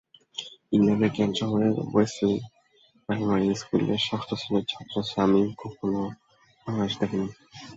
ইংল্যান্ডের কেন্ট শহরের Westhill primary স্কুলের ষষ্ঠ শ্রেণির ছাত্র সামি কখনো বাংলাদেশ দেখেনি।